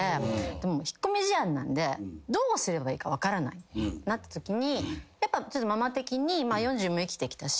でも引っ込み思案なんでどうすればいいか分からないってなったときにママ的に４０も生きてきたし。